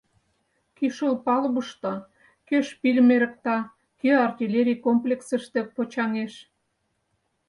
Кӱшыл палубышто кӧ шпильым эрыкта, кӧ артиллерий комплексыште почаҥеш.